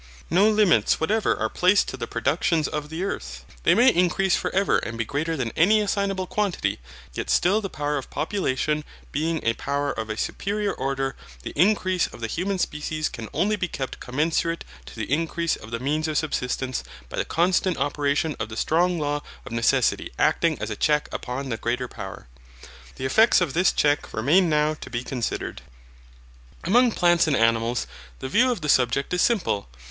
No limits whatever are placed to the productions of the earth; they may increase for ever and be greater than any assignable quantity, yet still the power of population being a power of a superior order, the increase of the human species can only be kept commensurate to the increase of the means of subsistence by the constant operation of the strong law of necessity acting as a check upon the greater power. The effects of this check remain now to be considered. Among plants and animals the view of the subject is simple.